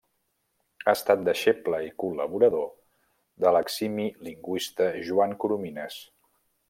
Ha estat deixeble i col·laborador de l'eximi lingüista Joan Coromines.